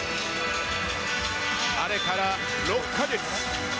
あれから６か月。